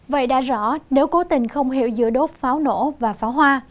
vậy đã rõ nếu cố tình không hiểu giữa đốt pháo nổ và pháo hoa